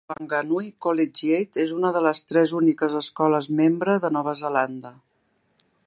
Wanganui Collegiate és una de les tres úniques escoles membre de Nova Zelanda.